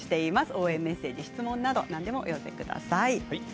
応援メッセージや質問などをお寄せください。